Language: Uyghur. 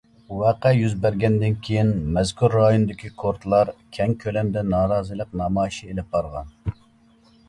ۋەقە يۈز بەرگەندىن كېيىن مەزكۇر رايوندىكى كۇردلار كەڭ كۆلەمدە نارازىلىق نامايىشى ئېلىپ بارغان.